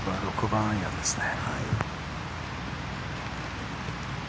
６番アイアンですね。